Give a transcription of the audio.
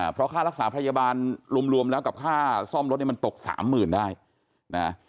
เพราะค่ารักษาพยาบาลรวมแล้วกับค่าซ่อมรถเนี่ยมันตกสามหมื่นได้นะ